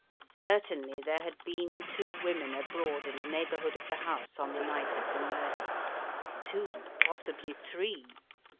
Certainly there had been two women abroad in the neighbourhood of the house on the night of the murder. Two, possibly three.